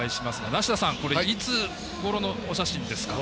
梨田さん、これはいつごろのお写真ですか？